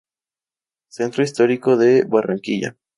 Centro Histórico de Barranquilla